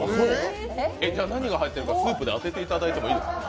えっ、じゃあ何が入っているかスープで当てていただいていいですか？